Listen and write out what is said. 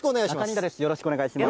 よろしくお願いします。